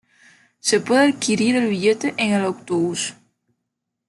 Se puede adquirir el billete en el autobús.